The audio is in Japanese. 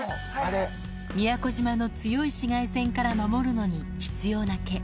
宮古島の強い紫外線から守るのに必要な毛。